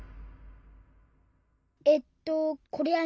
えっとこれは②ばん。